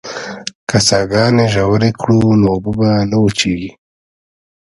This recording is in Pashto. که څاګانې ژورې کړو نو اوبه نه وچېږي.